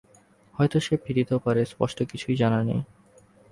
হয়তো সে ফিরিতেও পারে–স্পষ্ট কিছুই জানা নাই।